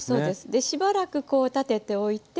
でしばらくこう立てておいて。